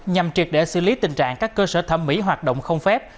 nhằm triệt để xử lý tình trạng các cơ sở thẩm mỹ hoạt động không phép